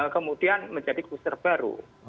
kemudian menjadi poster baru